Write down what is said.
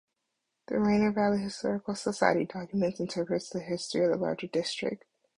The Rainier Valley Historical Society documents and interprets the history of the larger district.